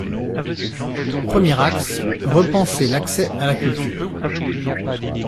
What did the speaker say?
Premier axe : repenser l’accès à la culture.